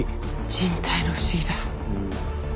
人体の不思議だ。